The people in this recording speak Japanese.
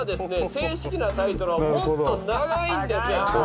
正式なタイトルはもっと長いんですよ。